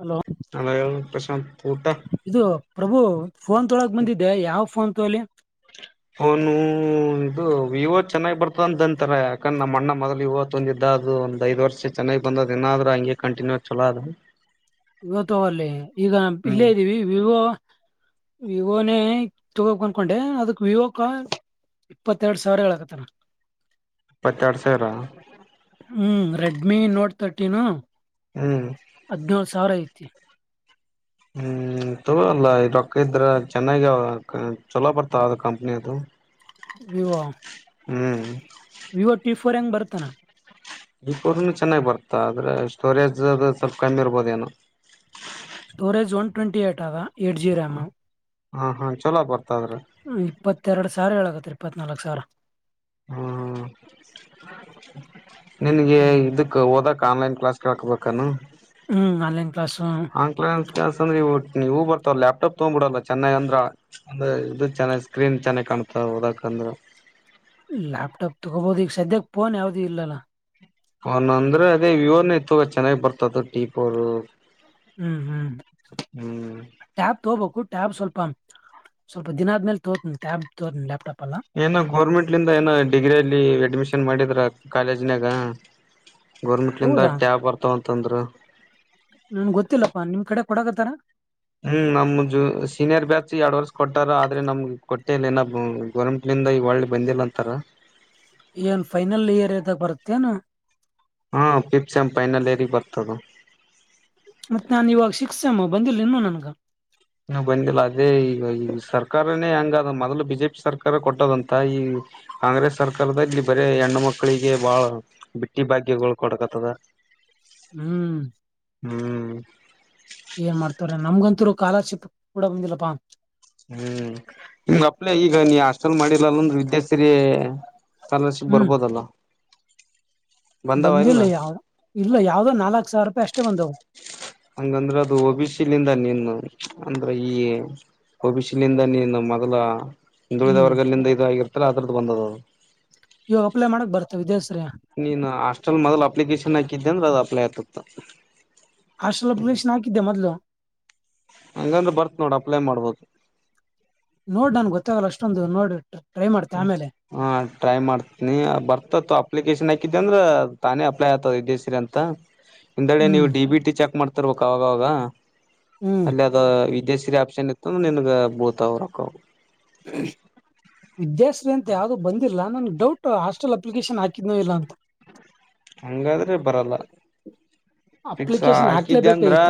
Hello ಅದ ಪ್ರಶಾಂತ್ ಪಊಟ ಇದು ಪ್ರಭು ಫೋನ್ ತೊಳಗ ಬಂದಿದ್ದೆ ಯಾವ ಫೋನ್ ತಲ್ಲಿ ೋನು ಇದು ವಿವೋ ಚೆನ್ನಾಗಿ್ ಬರ್ತದಂತಂತಾರೆ ಯಾಕಂದ ನಮ್ಮ್ ಅಣ್ಣ ಮೊದ್ ವಿವೋ ತಂದಿದ್ದ ಅದು ಒಂದ್ ಐದ ವರ್ಷ ಚೆನ್ನಾಗಿ ಬಂದದ ನಾದ್ರೂ ಹಂಗೆ ಕಂಟಿನ್ಯೂ ಚಲೋದ ಇವತ್ತು ಅಲ್ಲಿ ಈಗ ಇಲ್ಲೇ ಇದೀವಿ ವಿವೋ ವಿವೋನೇ ತಗೋಬೆಕ್ ಅನ್ಕೊಂಡೆ ಅದಕ್ ವಿವೋಕ್ಕ ಇಪ್ಪತ್ತೆರಡು ಸಾವ್ರ ಹೇಳಕ್ಕತನ. ಪಚಾಡ್ ಸರ ಹ್ಮ್ ರೆಡ್ಮಿ ನೋಟ್ ತರ್ಟೀನು ಹ್ಮ್ ಅದನಾ ಸಾರ ಐತಿ ಹ್ಮ್ ತಗಲ್ಲ ಇ ರೊಕ್ಕ ಇದ್ರ ಚೆನ್ನಾಗ ಚೊಲೋ ಬರ್ತ ಅದು ಕಂಪ್ನಿ ಅದು ವಿವಾ ಹ್ಮ್ಮ ಪರಂ ಬರ್ತನ ಪೋ ಚೆನ್ನಾಗಿ್ ಬರ್ತಾ ಆದ್ರೆ ಸ್ಟೋರೇಜ್ ಅದು ಸ್ವಲ್ಪ ಕಮ್ಮಿ ಇರ್ಬೋದ ಏನೋ ಸ್ಟೋರೇಜ್ ಒನ್ ಟ್ವೆಂಟಿ ಏಟ್ ಅದ ಎಯಿಟ್ ಜಿರೊ [inaudible] ಹಾ ಹಾ ಚಲೋ ಬತ ಇಪ್ಪತ್ತೆರಡು ಸಾರಿ ಹೇಳಕತ್ರಿ ಪತ್ನಲ್ಕ್ ಸರ್ ಹ್ಮ್ ಹ್ಮ ನಿನ್ಗೆ ಇದುಕ್ಕ ಓದಕ್ [unintelligible] ಆನ್ಲೈನ್ ಕ್ಲಾಸ್ ಕೇಳ್ಕೊಬೇಕೆನು? ಹ್ಮ್ ಅಲ್ಲಿನ್ ಹಾಂಕ್ಲನ್ ಕೆಸ ಅಂದ್ರ ಟ್ಟ ನೀವು ಬರ್ತಾವ ಲ್ಯಾಪ್ಟಾಪ್ ತಗ್ ಬಿಿಡಲ್ಲ ಚೆನ್ನಾಗ ಅಂದ್ರ ಅಂದ ಇ ಚೆನ್ನಾಗ್ ಸ್ಕ್ರೀನ್ ಚೆನ್ನಾಗಿ ಕಾಣ್ತ ಹದಕ ಅಂದ್ರೆ ಲ್ಯಾಪ್ಟಾಪ್ ತಗೋಬಹದು ಈಗ ಸದ್ಯಕ್ ಫೋನ್ ಯಾವವು್ದೂ ಇಲ್ಲಲ್ಲ ಅವನ್ ಅಂದ್ರೆ ಅದೇ ವಿವೋನ ಇತ್ತು ಚೆನ್ನಾಗಿ ಬರ್ತದತ್ತು ಟೀಪೋರ್ ಹ್ಮ್ ಹ್ಮ್ ಟಾಪ್ ತಬಕು ಟ್ಯಾಬ್ ಸ್ವಲ್ಪ ಸ್ವಲ್ಪ ದಿನ ಆದ್ಮೇಲೆ ತೋರ್ತನಿ ಟ್ಯಾಬ್ ತೋರ್ತನಿ ಲ್ಯಾಪ್ಟಾಪ್ ಅಲ್ಲ ಏನೋ ಗೋರ್ಮೆಂಟ್ಲಿನ್ದ ಏನೋ ಡಿಗ್ರಿ ಅಲ್ಲಿ ಅಡ್ಮಿಷನ್ ಮಾಡಿದ್ರ ಕಾಲೇಜಿನಾಗ ಗೋರ್ಮೆಂಟ್ಂದ ಹೌದಾ ಟ್ಯಾಬ್ ಬರ್ತಾವ್ ಸ್ ತಂದ್ರ ನನ್ ಗೊತ್ತಿಲ್ಲಪ್ಪಾ ನಿಮ್ ಕಡೆ ಕೊಡಕತ್ತಾರ ಹ್ಮ್ ನಮ ಜ ಸೀನಿಯರ್ ಬ್ಯಾಚ್ ಎರಡ್ ವರ್ಷ ಕೊಟ್ಟಾರ ಆದ್ರೆ ನಮ್ಗ್ ಕೊಟ್ಟ ಮಏನ ಗೋರ್ಮೆಟ್ಲಿಂದ ಈ ಒಳ್ಳೆ ಬಂದಿಲ್ಲ ಅಂತಾರ ಏನ್ ಫೈನಲ್ ಇಯರ್ ಇದದಾಗ ಬರತ್ತೇನು ಹಾ ಪಿಪ್ಸಂಪೈನಲ್ಲಿ ರಿ ಬರ್ತದ ಮತ್ ನಾನ್ ಇವಾಗ ಸಿಕ್ಸಸೆಮು ಬಂದಿಿಲ್ಲ ಇನ್ನು ನನ್ಗ. ಇನ್ನು ಬಂದಿಲ್ಲ ಅ ಅದೇ ಈಗ ಈ ಸರ್ಕಾರನೇ ಅಂಗದ ಮೊದಲು ಬಿಜೆಪಿ ಸರ್ಕಾರ ಕೊಟ್ಟದಂತ ಈ ಕಾಂಗ್ರೆಸ್ ಸರ್ಕಾರದಾಗೆ ಬರೇ ಹೆಣ್ಣು ಮಕ್ಕಳಿಗೆ ಬಾಳ ಬಿಟ್ಟಿ ಭಾಗ್ಯಗಳು ಕೊಡಕತ್ತದ. ಹ್ಮ್ ಹ್ಮ್ ಏನ್ ಮಾಡ್ತವ್ರೆ ನಮ್ಗಂತೂರು ಕಾಲರ್ಶಿಪ್ ಕೂಡ ಬಂದಿಲ್ಲಪ್ಪಾ ಮಾಡಿಲ್ಲ ಅಂದು ವಿದ್ಯಾರ್ಥ ಹೇ ಕಾಲಸ ಹ್ಮ್ ಬರ್ಬೋದಲ್ಲ ಬಂದಾವ ಇಲ್ಲ ಬಂದಿಲ್ಲ ಯಾವ್ದ ಇಲ್ಲ ಯಾವ್ದ್ ನಾಲ್ಕು ಸಾವಿರ ರೂಪಾಯ್ ಅಷ್ಟ [unintelligible] ಹಂಗಂದ್ರೆ ಅದು ಒಬ ಸಿಲಿಂದ ನೀನು ಅಂದ್ರ ಈ ಒಬ ಸಿಲಿಂದ ನೀನು ಮೊದ್ಲ ಹ್ಮ್ ಹಂದುಳಿದವರ್ಗಲ್ಲಿಂದ ಇ ಇದ ಆಾಗಿರುತ್ತೆ ಎತ್ರ ಯತ್ರರದು ಬಂದದದು ಇವಾಗ ಅಪ್ಲೈ ಮಾಡಕ್ ಬರ್ತವೆ ವಿದೇಸ್. ನೀನ್ ಹಾಸ್ಟೆಲ್ ಮೊದಲ್ ಅಪ್ಲಿಕೇಶನ್ ಹಾಕಿದ್ದೆ ಅಂದ್ರೆ ಅದ ಪ್ಲೇತುತ್ತ ಹಾಸ್ಟೆಲ್ ಅಪ್ಲಿಕೇಶನ್ ಹಾಕಿದ್ದೆ ಮೊದ್ಲು ಹಂಗಂದ್ರೆ ಬರ್ತ್ ನೋಡು ಅಪ್ಲೈ ಮಾಡ್ಬೋದು ನೋಡ್ ನನ್ ಗೊತ್ತಾಗಲ್ಲ ಅಷ್ಟೊಂದು ನೋಡ್ಟ್ಟು ಹಾ ಟ್ರೈ ಮಾಡ್ತನಿ ಬರ್ತತ್ ಅ ಅಪ್ಲಿಕೇಶನ್ ಹಾಕಿದ್ದೆ ಅಂದ್ರ ತಾನೇ ಅಪ್ಲೈ ಆತದ ಇದೇ ಸೀರಿ ಅಂತ ಒಿಂದೆಡೆ ಹ್ಮ್ ನೀವು ಡಿ ಬಿ ಟಿ ಚೆಕ್ ಮಾಡ್ ತರ್ಬೇಕ ಅವಾಗ ಅವಾಗ ಹ್ಮ್ ಅಲ್ಲದ ವಿಿದೇಶ್ ಸಿರಿ ಆಪ್ಷನ್ ಇತ್ತು ನೀನಗ ಬೋತಾವು ರೊಕ್ಕ ಹ ವಿದ್ಯಾಶ್ರೀ ಅಂತ ಯಾವ್ದದು ಬಂದಿಲ್ಲ ಇಲ್ಲ ನಂ ಡೌಟ್ ಹಾಸ್ಟೆಲ್ ಅಪ್ಲಿಕೇಶನ್ ಹಾಕಿಧ್ನೋ ಇಲ್ಲ ಅಂತ ಹಂಗಾದ್ರೆ ಬರಲ್ಲ ಫಿಕ್ಸ್ ಅಪ್ಲಿಕೇಶನ್ ಹಾಕಿದೆ ಅಂದ್ರ ಹಾಕ್ಲೇಬೇಕಾಗಿತ್ತ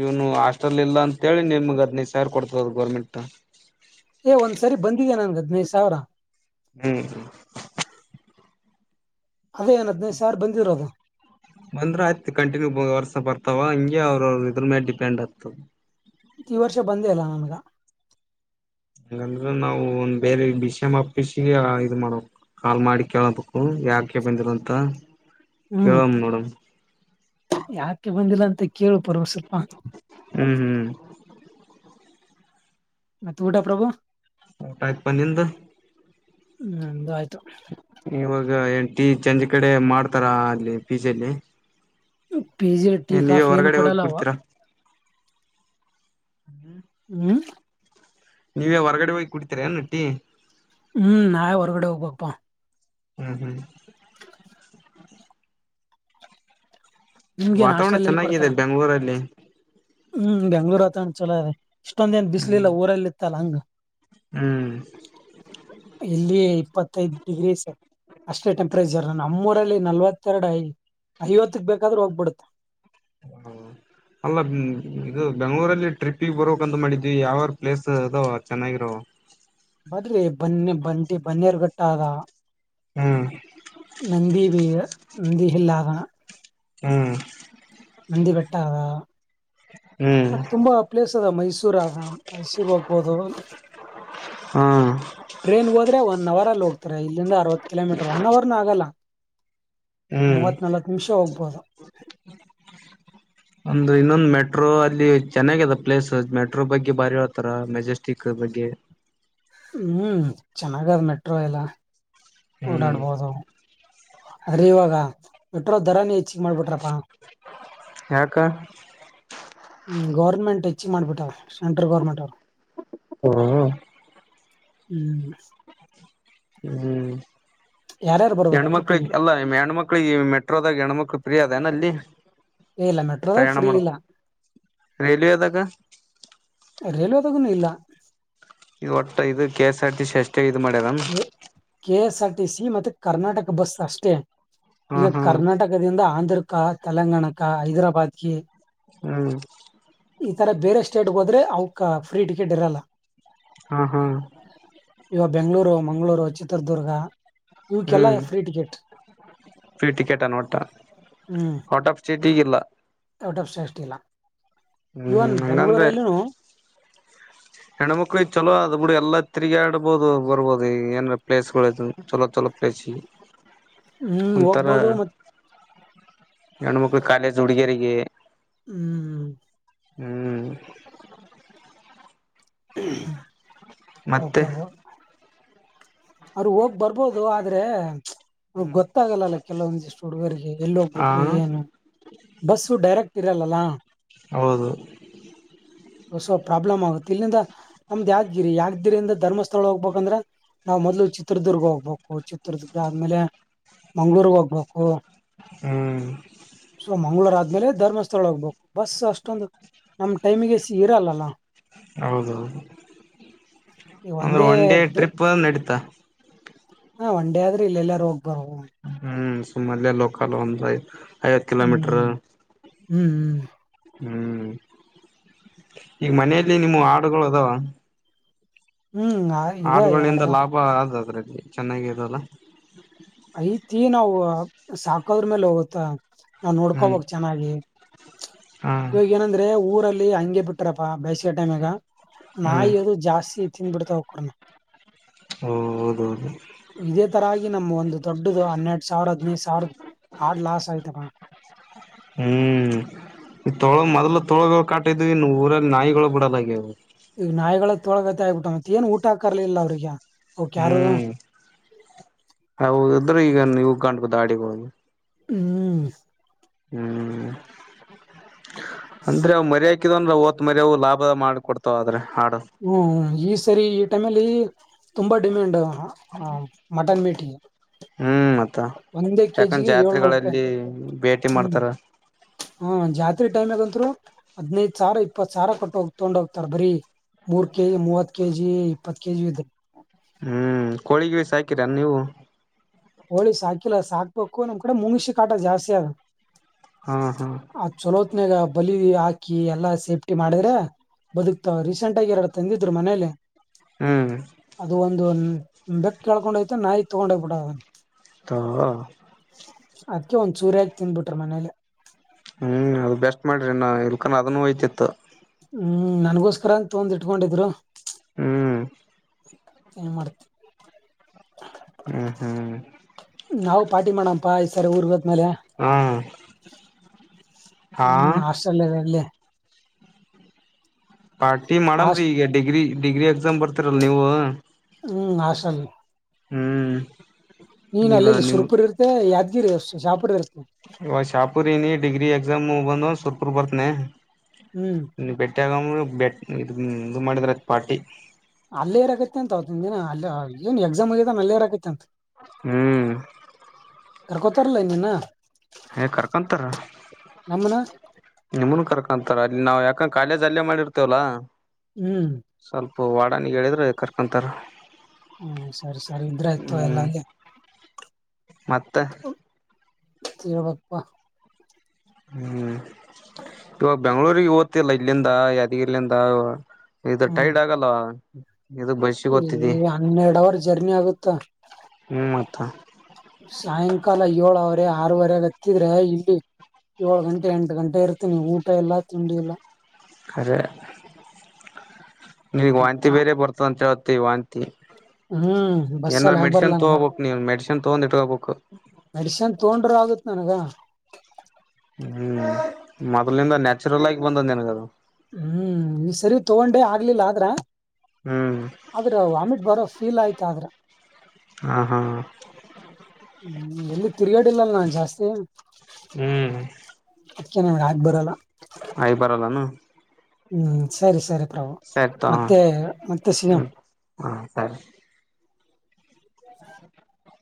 ಇವನು ಹಾಸ್ಟೆಲ್ ಇಲ್ಲ ಅಂತೇಳಿ ನಿಮ್ಗ ಹದಿನೈದು ಸಾವಿರ ಕೊಡ್ತ ಭಾರ ಗರ್ಮಂಟ್ ಏ ಒಂದ್ ಸರಿ ಬಂದಿದೆ ನಂಗದ್ ಹದಿನೈದ್ ಸಾವ್ರ ಹ್ಮ್ ಅದೇ ಏನ್ ಹದ್ನೈದು ಸಾವಿರ ಬಂದಿರೋದು ಬಂದ್ರ ಹತ್ ಕಂಟಿನ್ಯೂ ವರ್ಸ ಬರ್ತಾವ ಹಂಗ ಅವ್ರ ಅವ್ರ ಇದ್ರ ಮೇಲೆ ಡಿಪೆಂಡ್ ಆಗ್ತದೆ ಹ ಹಂಗಂದ್ರ ನಾವು ಒಂದ್ ಬೇರೆ ಬಿ ಸಿ ಎಂ ಆಫೀಸಗೆ ಇ ಮಾಡ ಕಾಲ್ ಮಾಡಿ ಕೇಳಬೇಕು ಯಾಕ ಬಂದಿರ ಅಂತ ಹ್ಮ್ ಕೇಳಂ ನೋಡಂ ಯಾಕೆ ಬಂದಿಲ್ಲ ಅಂತ ಕೇಳು ಪರ್ವ ಸ್ವಲ್ಪ ಹ್ಮ್ ಹ್ಮ್ ಮಾತ್ ಊಟಾ ಪ್ರಭು ಊಟಆಯಿತಪ್ಪ ನಿಂದ ನಂಧ್ ಆಯಿತು ಇವಾಗ ಎಂಟ ಟೀ ಚಂಜ ಕಡೆ ಮಾಡ್ತಾರ ಅಲ್ಲಿ ಪಿಜೆಲಿ [unintelligible] ಪಿಜಿ ಟೀ ಕಾಫಿ ಏನು ಹೋಗಿ ಕೊಡಲ್ಲವಾ ಕುಡ್ತೀರಾ ಹ್ಮ್ ನೀವೇ ಹೊರ್ಗಡೆ ಹೋಗಿ ಕುಡಿತೀರ ಟೀ ಹ್ಮ್ ನಾವೇ ಹೊ ಕಡೆ ಹೋಗಪ ಹ್ಮ್ ಹ್ಮ್ ಅ ನಿಮ್ಗೇನ್ ವಾತಾವರಣ ಹಾಸ್ಟೆಲ್ ಎಲ್ಲಿ ಕೊಡ್ತಾರ ಚೆನ್ನಾಗಿದೆ ಬೆಂಗ್ಗಳೂರಲ್ಲಿ ಹ್ಮ್ ಬೆಂಗ್ಳೂರ್ ವಾತಾವರ್ಣ್ ಚಲೋ ಅದೆ ಇಷ್ಟೊಂದೇನ್ ಹ್ಮ್ ಬಿಸಲಿಲ್ಲ ಊರಲ್ಲಿ ಇತ್ತಲ್ಲ ಹಂಗ ಹ್ಮ್ ಇಲ್ಲಿ ಇಪ್ಪತ್ತೈದ ಡಿಗ್ರೀಸ್ ಅಷ್ಟೇ ಟೆಂಪರೇಚರ್ ನಮ್ಮೂರಲ್ಲಿ ನಲ್ವತ್ತೆರಡು ಐ ಐವತ್ತಕ್ ಬೇಕಾದ್ರೂ ಹೋಗ್ಬಿಡುತ್ತೆ ಹ ಅಲ್ಲ ಇದು ಬೆಂಗ್ಗಳೂರಲ್ಲಿ ಟ್ರಿಪ್ಪಿಗೆ ಬರಕ್ಂತ ಮಾಡಿದ್ವಿ ಯಾವ್ಯಾರ ಪ್ಲೇಸ್ ಅದ ಚೆನ್ನಾಗಿರೋ ಬದ್ರಿ ಬನ್ನಿ ಬಂದಿ ಬನ್ನಿರ್ಗಟ್ಟದ ಹ್ಮ ನಂದಿ ಬೀ ನಂದಿ ಹಲ್ಲಾದಾ ಹ್ಮ್ ನಂದಿ ಬೆಟ್ಟಾ ಆದಾ ಹ್ಮ್ ಮತ್ ತುಂಬಾ ಪ್ಲೇಸ್ ಅದ ಮೈಸೂರ್ [unintelligible] ಮೈಸೂರು ಹೋಗ ಹೌದು ಹಾ ಟ್ರೇನ್ ಹೋದ್ರೆ ಒನ್ ಅವರ್ ಅಲ್ಲಿ ಹೋಗತ ತರೆ ಇಲ್ಲಿಂದ ಅರ್ವತ್ ಕಿಲೋಮೀಟರ್ ಒನ್ ಅವರ್ನ ಆಗಲ್ಲ. ಹ್ಮ್ ಮೂವತ್ ನಲ್ವತ್ ನಿಮಿಷ ಹೋಗ್ಬೋದು ಒಂದು ಇನ್ನೊಂದು ಮೆಟ್ ಮೆಟ್ರೋ ಅಲ್ಲಿ ಚೆನ್ನಾಗದ ಪ್ಲೇಸ್ ಮೆಟ್ರೋ ಬಗ್ಗೆ ಬಾರಿ ಹೇಳ್ತಾರ, ಮೆಜೆಸ್ಟಿಕ್ ಬಗ್ಗೆ ಹ್ಮ್ ಚೆನ್ನಾಗದ ಮೆಟ್ರೋ ಎಲ್ಲ ಹ್ಮ್ ಓಡಾಡ್ಬೋದು ಹರಿಯುವಾಗಾ ಮೆಟ್ರೋ ಧರಾನೇ ಇ ಮಾಡಿಬಟ್ರಪ್ಪ ಯಾಕ ಹ್ಮ್ ಗೌರ್ಮೆಂಟ್ ಹೆಚ್ಚಿ ಮಾಡ್ಬಿಟ್ಟಾವ್ರೆ ಸೆಂಟ್ರಲ್ ಗೌರ್ಮೆಂಟ್ ಅವರು. ಹ್ಮ ಹ್ಮ್ ಹ್ಮ್ ಯಾರ್ಯಾರು ಬರ್ಬೇಕು ಟ್ರಿಪ್ಪಿಗೆ ಹೆಣ್ಮಕ್ಳಿಗೆ ಅಲ್ಲ ಹೆಣ್ಮಕ್ಳಿಗೆ ಮೆಟ್ರೋದಾಗ ಹೆಣ್ಮಕ್ಳ ಫ್ರೀ ಅದನ ಅಲ್ಲಿ ಏ ಇಲ್ಲ ಮೆಟ್ರೋದಾಗ ಪ್ರಯಾಣ ಫ್ರೀ ಮಾಡ ಇಲ್ಲ ರೈಲ್ವೆದಾಗ ಹೊಗನೂ ಇಲ್ಲಾ. ಕೆ-ಎಸ್-ಐಪಿ-ಸಿ-ಐ. K, K S R T C ಮತ್ ಕರ್ನಾಟಕ ಬಸ್ ಅಷ್ಟೇ. ಹಾ ಈಗ ಹಾ ಕರ್ನಾಟಕದಿಂದ ಆಂಧ್ರ ಕಾ ತೆಲಂಗಾಣ ಕಾ ಹೈದರಾಬಾದ್ ಕಿ ಹ್ಮ್ ಈ ತರ ಬೇರೆ ಸ್ಟೇಟ್ ಹೋದ್ರೆ ಅವಕ್ ಫ್ರೀ ಟಿಕೆಟ್ ಇರಲ್ಲ ಹಾ ಹಾ ಓ ಮಂಗ್ಳೂರು ಚಿ ಹ್ಮ್ ಟಿಕೆಟ್ ೀ ಟಿಕೆಟ್ ಅನ್ಟ್ಟ ಹ್ಮ್ ಔಟ್ ಆಫ್ ಸ್ಟೇಟ್ ಈಗಿಲ್ಲ ಔಟ್ ಆಫ್ [unintelligible] ಶೇಷ್ಟಿಲ್ಲ ಹ್ಮ್ ಇವನ್ ಹ್ಮ್ ಬೆಂಗಳೂರ್ ಅಲ್ಲೂನು ಹೆಣ್ಣ್ಮಕ್ಳಿಗೆ ಚಲೋ ಅದ್ ಬಿಡ ಎಲ್ಲಾ ತಿರುಗಿ ಆಡ್ಬಹದು ಬರ್ಬಹದು ಈಗ ಏನ್ ಪ್ಲೇಸ್ಗಳು ಚಲೋ ಚಲೋ ಪ್ಲೇಸ್ಗೆ. ಹ್ಮ್ ಹೋಗ್ಬೋದು ಮತ್ ಹೆಣ್ಮಕ್ಳು ಕಾಲೇಜ್ ಹುಡುಗಿಯರಿಗೆ ಹ್ಮ್್ಮ ಹ್ಮ್ ಮತ್ತೆ [unintelligible] ಅವ್ರು ಹೋಗ್ ಬರ್ಬೋದು ಆದ್ರೆ ಅವ್ರ್ಗ್ ಗೊತ್ತಾಗಲ್ಲಲ್ಲ ಕೆಲವೊಂದಿಷ್ಟು ಹುಡುಗರಿಗೆ ಎಲ್ ಹೋಗ್ಬೇಕು ಹ ಏನು, ಬಸ್ಸು ಡೈರೆಕ್ಟ್ ಇರಲಲ್ಲಾ ಹೌದು ಹೊಸ ಪ್ರಾಬ್ಲಮ್ ಆಗುತ್ತೆ ಇಲ್ಲಿಂದ ನಮ್ದ್ ಯಗಿರಿ ಯಾ್ದಿರಿಂದ ಧರ್ಮಸ್ಥಳ ಹೋಗ್ಬೇಕಂದ್ರ ನಾವು ಮೊದ್ಲು ಚಿತ್ರದುರ್ಗ ಹೋಗ್ಬೇಕು ಚಿತ್ರದುರ್ಗ ಆದ್ಮೇಲೆ ಮಂಗಳೂರ್ ಹೋಗ್ಬೇಕು ಹ್ಮ್ ಸೊ ಮಂಗ್ಳೂರ್ ಆದ್ಮೇಲೆ ಧರ್ಮಸ್ಥಳ ಹೋಗ್ಬೇಕು ಬಸ್ ಅಷ್ಟೊಂದು ನಮ್ ಟೈಮಿಗೆ ಇರಲ್ಲಲ್ಲ ಹೌದೌದು ಈ ಅಂದ್ರೆ ಒಂದೇ ಒನ್ ಡೇ ಟ್ರಿಪ್ ನಡೀತಾ ಹ ಹಾ ಒನ್ಂಡೇ ಆದ್ರೆ ಇಲ್ಲ ಎಲ್ಲ ರೋಗ ಬಹು ಮ ಲೋಕ ಲ ಹಂದುಾಯ ಐವತ್ತು ಕಿಲೋಮೀಟರು ಹ್ಮ್ ಹ್ಮ್ ಹ್ಮ್ ಈಗ ಮನೆಯಲ್ಲಿ ನಿಮ್ಮ ಹಾಡುಗಳದ ಹ್ಮ್ ಹ್ಮ್ ಇದ ಹಾಡುಗಳಿಂದ ಎರಡ್ದ ಲಾಭ ಅಾದ್ರೆ ಚೆನ್ನಾಗ ಇದಲ್ಲ ಐತಿ ನಾವು ಸಾಕದ್ರ ಮೇಲೆ ಹೋಗುತ್ತ ನಾವು ಹ್ಮ್ ನೋಡ್ಕೋಬಕ್ ಚೆನ್ನಾಗಿ ಹಾ ಇವಾಗ ಏನಂದ್ರೆ ಊರಲ್ಲಿ ಹಂಗಗೆ ಬಿಟ್ಟ್ರಪ್ಪಾ ಬಸ ಟೈಮ್ಗ ಹ್ಮ್ ನಾಯಿ ಅದು ಜಾಸ್ತಿ ಇ ತಿಿಂದ ಬಿಿಡ್ತಾ ಹೋಗಕ್ರಣ ಹ ಹೌದೌದು ಇದೇ ತರ ಆಗಿ ನಮ್ಮ ಒಂದು ದೊಡ್ಡದು ಹನ್ನೆರಡ್ ಸಾವಿರ ಹದಿನೈದು ಸಾವಿರದ ಆಡ್ ಲಾಸ್ ಆಯ್ತಪ್ಪ ಹ್ಮ್ ಈ ತೊಳ ಮೊದ್ಲ ತೊಳಗಳು ಕಾಟಿದ್ವಿನ್ನು ಊರಲ್ಲಿ ನಾಯಿಗಳು ಬಿಡಲ್ಲಗ್ಯವು ಈಗ ನಾಯಿಗಳ ತೊಳಗತೆ ಆಗ್ಬಿಟ್ಟ ಮತ್ತ ಏನ್ ಊಟ ಹಾಕರ್ಲಿಲ್ಲ ಅವ್ರಿಗೆ ಅವಕ್ ಯಾರು ಹ್ಮ್ ಹೌದ್ರೆ ಈಗ ನೀವು ಗಂಡು ದಾಡಿ ಹೋದು ಹ್ಮ್ ಹ್ಮ್ ಅಂದ್ರೆ ಅವ್ ಮರಕ ಹಾಿದಂದ್ರೆ ಹ್ತ್ ಮರಿ ಅವು ಲಾಭ ಮಾಡಕಡ್ತಾವ ಆದ್ರೆ ಹಾಡು ಹ್ಮ್ ಈ ಸರಿ ಈ ಟೈಮಲ್ಲಿ ತುಂಬಾ ಡಿಮ್ಯಾಂಡ್ ಹ ಹ ಮಟನ್ ಮೀಟಿಗೆ ಹ್ಮ್ ಮತ್ತ ಒಂದೇ ಯಾಕಂದ ಕೆಜಿಗೆ ಏಳ್ನೂರು ರೂಪಾಯಿ ಜಾತ್ರೆಗಳಲ್ಲಿ ಭೇಟಿ ಹ್ಮ ಮಾಡ್ತಾರ ಹ ಜಾತ್ರೆ ಟೈಮ್ ಆಗಂತರು ಹದ್ನೈದ ಸಾವಿ ಇಪ್ಪತ್ ಸಾವಿ ಕಟ್ಟ ಹೋಗ್ ತೊಂಡ ಹೋಗ್ತಾರ ಬರರಿ ಮೂರ್ ಕೆಜಿ ಮೂವತ್ ಕೆ ಜಿ ಇಪ್ಪತ್ತು ಕೆ ಜಿ ಇದೆ ಹ್ಮ್ ಕೋಳಿಗಿಿಸ ಸಾಾಕಿರ ನೀವು ಹೋಳಿ ಸಾಕಿಲ್ಲ ಸಾಕ್ಬೇಕು ನಮ್ ಕಡೆ ಮುಗಸಿ ಕಾಟ ಜಾಸ್ತಿ ಅ ಹಾ ಹಾ ಆ ಚಲೋ ತ್ನಾಗ ಬಲಿ ಹಾಕಿ ಎಲ್ಲಾ ಸೇಫ್ಟಿ ಮಾಡಿದ್ರೆ ಬದುಕ್ತಾವ ರೀಸೆಂಟ್ ಆಗಿ ಎರಡು ತಂದಿದ್ರು ಮನೇಲಿ ಹ್ಮ್ ಅದು ಒಂದು ಬೆಕ್ ಕೇಕೊಂಡ ಹಯ್ತ ನಾಯಿ ತಗೊಂಡ ಹೋಗ್ಬಿುದ ತ ಅದ್ಕ ಒಂದ್ ಚೂರ ಹಕ ತಿಿಂದ್ಬಿಟ್ರ ಮನೇಲಿ ಹ್ಮ್ ಅದ ಬೆಸ್ಟ್ ಮಾಡ್ರಿ ನಾ ಇಲ್ಕನ್ ಅದನ್ನು ಹಯ್ತಿತ್ತು ಹ್ಮ್ ನನ್ಗೋಸ್ಕರ ಅಂತ ತೊಂದ್ ಇಟ್ಕೊಂಡಿದ್ರು ಹ್ಮ್ ಏನ್ ಮಾಡ್ತ ಹ್ಮ್ ಹ್ಮ್ ನಾವು ಪಾರ್ಟಿ ಮಾಡಪ ಈ ಸರಿ ಊರ್ ಹದ್ಮೇಲೆ ಹಾ ಹಾ ಹ್ಮ್ ಆಸ್ಟ್ರಲ್ಲ್ಲಿ ಪಾರ್ಟಿ ಮಾಡಮ್ರೀ ಹಾಸ್ಟ್ ಈಗ ಡಿಗ್ರಿ ಡಿಗ್ರಿ ಎಕ್ಸಾಮ್ ಬರ್ತೀರಲ್ಲ ನೀವು ಹ್ಮ್ ಆಸಲ್ ಹ್ಮ್ ನೀನ್ ಈಗ ಅಲ್ಲ ಇಲ್ಲಿ ಸುರ್ಪುರ್ ಇರುತ್ತೆ ಯ ಷ್ಟ ಚಾಪಾ ಇವ ಶಾಪುರ್ ನಿ ಡಿಗ್ರಿ ಎಕ್ಸಾಮ್ ಬಂದ ಸರ್ ಪೂರ್ವರ್ತನೆ ಹ್ಮ್ ಬೆೆಟಾಗಮ ಬೆ ಇ ಇದು ಮಾಡಿದ್ರ ಅ ಪಾರ್ಟಿ ಅಲ್ಲಿೇರ್ ಆಗೈತಿ ಅಂತ ಅವಿನ ದಿನ ಅ ಏನ್ ಎಕ್ಸಾಮ್ ಆಗ್ಯದ ಅಲ್ಲಿೇಏರಾಗೈತಿ ಅಂತ ಹ್ಮ್ ಕರ್ಕೊತಾರಲ್ಲ ನಿನ್ನ ಹ ಕರ್ಕೊಂತಾರ ನಮ್ಮನ ನಿಮ್ಮನ್ ಕರ್ಕೊಂತ ಅಲ್ಲಿ ನಾವು ಯಾಕಂದ ಕಾಲೇ್ ಅಲ್ಲೇ ಮಾಡಿರ್ತೇವಲ್ಲಾ ಹ್ಮ್ ಪ ವಾಡನಿಗೆ ಹೇಳಿದ್ರೆ ಕರ್ಕೊಂತಾರೆ ಹ್ಮ್ ಸರಿ ಸರಿ ಇದ್ರ ಆಯ್ತು ಎಲ್ಲಂಗೆ ಮತ್ತೆ ತಿೀರ ಬಪ್ಪ ಹ್ಮ್ ಇವಾಗ ಬೆಂಗ್ಳೂರಿಗೆ ಓದ್ತಿಿಲ್ಲ ಇಲ್ಲಿಂದ ಯಾದಗಿರ್ಲಂದ ಇವ ಇದು ಹ್ಮ್ ಟೈಡ್ ಆಗಲ್ವಾ ಹ್ಞೂ ಈ ಹನ್ನೆರಡು ಅವರ್ ಜರ್ನಿ ಆಗುತ್ತ ಹ್ಮ್ ಮತ್ತ ಸಾಯಂಕಾಲ ಏಳ್ ಅವರ ಆರವರೆ ಹತ್ತಿದ್ರೆ ಇಲ್ಲಿ ಏಳ ಗಂಟೆ ಎಂಟು ಗಂಟೆ ಇರ್ತೀನಿ ಊಟ ಇಲ್ಲ ತಿಂಡಿ ಇಲ್ಲ ಅ ನಿಗ್ ವಾಹಂತಿ ಬೇರೆ ಬರ್ತದೆ ಅಂತ ಹೇಳ ತ ವಂತಿ ಹ್ಮ್ ಏನ್ರ ಬಸ್ಸಲ್ಲಿ ಹಾಕ್ ಬರಲ್ಲ ಮೆಡಿಸನ್ ನನ್ಗ ತಗೋಬೇಕು ನೀವ ಮೆಡಶನ್ ತಗೊಂಡ್ ಇಟ್ಕೋಗಬೇಕು ತೊಂಡ್ರ ಆಗತ್ ನನಗ. ಹ್ಮ್ ಮೊದಲಿಂದ ನ್ಯಾಚುರಲ್ ಆಗಿ ಬಂದದ ನಿನಗ್ ಅದು. ಹ್ಮ್ ನೀ ಸರಿ ತಗೊಂಡೆ ಆಗ್ಲಿಲ್ಲ ಆದ್ರ ಹ್ಮ್ ಆದ್ರ ವಾಮಿಟ್ ಬರೋ ಫೀಲ್ ಆಯ್ತ ಆದ್ರ ಹಾ ಹಾ ತಿರುಗೇಡಿ ಇಲ್ಲಲ್ಲ ನಾನ್ ಜಾಸ್ತಿ ಹ್ಮ್ ಅದಕ್ಕೆನೆ ನನಗ್ ಆಗಿ ಬರಲ್ಲಾ. ಆಯಬರಲ್ಲೇನ ಹ್ಮ್ ಸ ಸರಿ. ಸರಿ ತೊ ಮತ್ತೆ ಮತ್ತೆ ಸಿನಂ. ಹ್ಮ್ ಹಾ ಸರಿ [inaudible]